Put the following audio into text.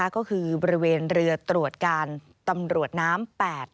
ก็คือบริเวณเรือตรวจการตำรวจน้ำ๘